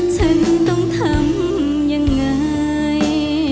ฉันต้องทำยังไง